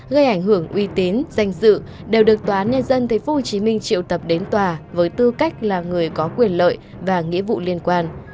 gây ảnh hưởng uy tín danh dự đều được tòa án nhân dân tp hcm triệu tập đến tòa với tư cách là người có quyền lợi và nghĩa vụ liên quan